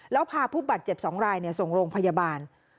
แล้วพาผู้บาดเจ็บ๒รายส่งโรงพยาบาล